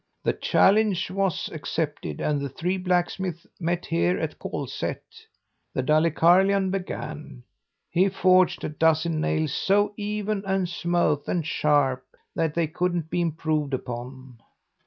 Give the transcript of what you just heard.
The challenge was accepted and the three blacksmiths met here at Kolsätt. The Dalecarlian began. He forged a dozen nails, so even and smooth and sharp that they couldn't be improved upon.